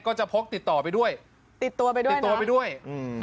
ก็จะพกติดต่อไปด้วยติดตัวไปด้วยติดตัวไปด้วยอืม